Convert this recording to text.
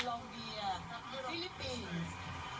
ข้อมูลเข้ามาดูครับ